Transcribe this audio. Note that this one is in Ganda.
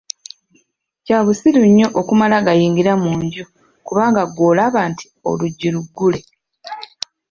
Kya busiriu nnyo okumala gayingira mu nju kubanga ggwe olaba nti oluggi luggule.